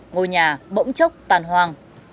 ngôi nhà bỗng chốc tàn hoàng